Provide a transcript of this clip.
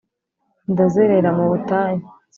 ndazerera mu butayu.